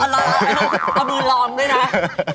เอามือรอมด้วยนะ